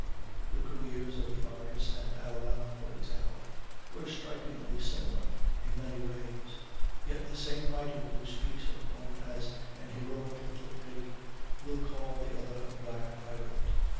The careers of the Argus and Alabama for example, were strikingly similar in many ways, yet the same writer who speaks of one as an "heroic little brig," will call the other a "black pirate."